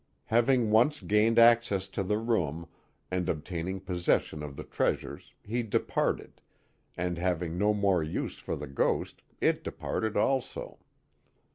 Having once gained acceto to the room and obtaining possession of the treasures he departed, and having no more use for the ghost it departed also.